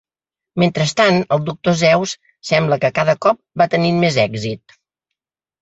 Mentrestant, el Dr. Zeus sembla que cada cop va tenint més èxit.